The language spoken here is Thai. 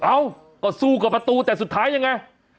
เอ้าก็สู้กับประตูแต่สุดท้ายยังไง